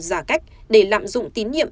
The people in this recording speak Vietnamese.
giả cách để lạm dụng tín nhiệm